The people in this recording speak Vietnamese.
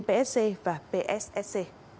psc và pssc